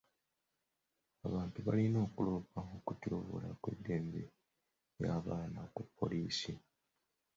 Abantu balina okuloopa okutyoboola kw'eddembe ly'abaana ku poliisi.